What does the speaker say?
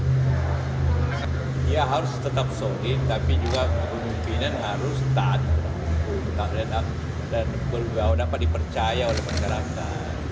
dia harus tetap solid tapi juga pemimpinan harus takut dan berubah dapat dipercaya oleh masyarakat